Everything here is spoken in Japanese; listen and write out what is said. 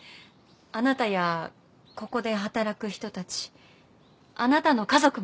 あなたやここで働く人たちあなたの家族も。